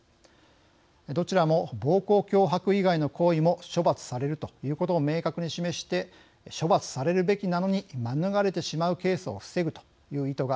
どちらも暴行・脅迫以外の行為も処罰されるということを明確に示して処罰されるべきなのに免れてしまうケースを防ぐという意図があります。